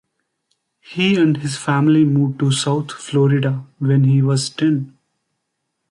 He and his family moved to South Florida when he was ten.